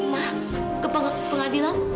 ma ke pengadilan